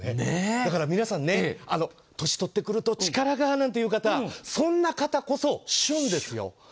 だから皆さん、年を取ってくると力がなんて方そんな方こそ旬ですよ。